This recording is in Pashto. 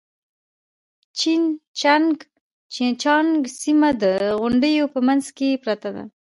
جين چنګ جيانګ سيمه د غونډيو په منځ کې پرته ده.